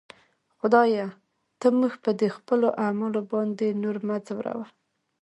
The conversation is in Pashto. خدایه! ته موږ په دې خپلو اعمالو باندې نور مه ځوروه.